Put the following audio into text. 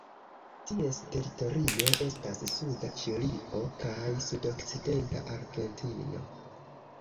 Ties teritorio estas suda Ĉilio kaj sudokcidenta Argentino.